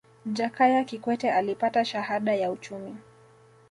jakaya kikwete alipata shahada ya uchumi